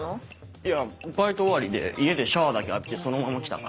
いやバイト終わりで家でシャワーだけ浴びてそのまま来たから。